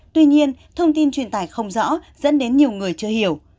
tuy nhiên thông tin truyền tải không rõ dẫn đến nhiều người chưa hiểu